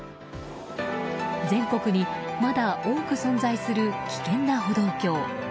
全国に、まだ多く存在する危険な歩道橋。